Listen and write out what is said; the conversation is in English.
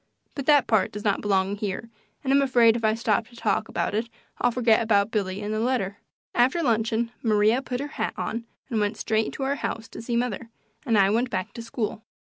But that part does not belong here, and I'm afraid if I stop to talk about it I'll forget about Billy and the letter. After luncheon Maria put her hat on and went straight to our house to see mother, and I went back to school.